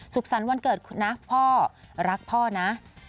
สรรค์วันเกิดนะพ่อรักพ่อนะ